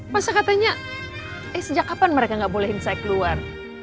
masa katanya eh sejak kapan mereka gak bolehin saya keluar